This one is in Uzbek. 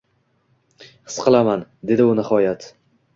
-His qilaman, — dedi u nihoyat.